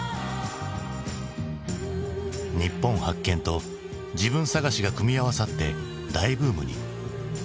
「日本発見」と「自分探し」が組み合わさって大ブームに。